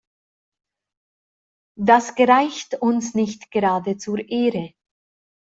Das gereicht uns nicht grade zur Ehre.